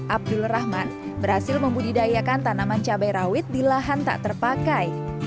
abdul rahman berhasil membudidayakan tanaman cabai rawit di lahan tak terpakai